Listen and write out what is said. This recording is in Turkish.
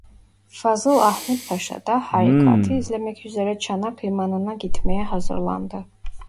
Fazıl Ahmed Paşa da harekâtı izlemek üzere Çanak limanına gitmeye hazırlandı.